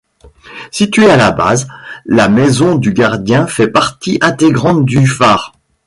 Située à la base, la maison du gardien fait partie intégrante du phare.